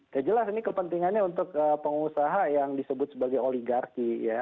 ya jelas ini kepentingannya untuk pengusaha yang disebut sebagai oligarki ya